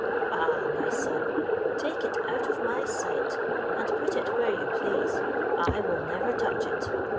Ah my son, take it out of my sight, and put it where you please. I will never touch it.